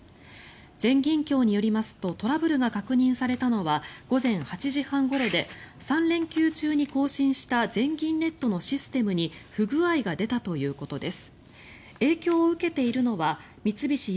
全銀協によりますとトラブルが確認されたのは午前８時半ごろで３連休中に更新した全銀ネットのシステムに不具合が出たということです。